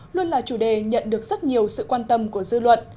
luôn là chủ đề nhận được rất nhiều sự quan tâm của dư luận